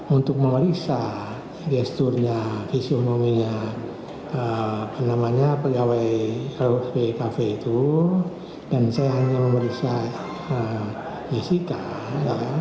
untuk memeriksa gesturnya visiomominya penamanya pegawai ruhp cafe itu dan saya hanya memeriksa disihkan